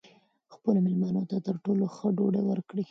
خپلو مېلمنو ته تر ټولو ښه ډوډۍ ورکړئ.